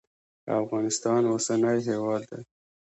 افغانستان اوسنی هیواد دی.